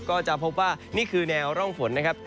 ก็จะพบว่านี่คือแนวร่องฝนนะครับ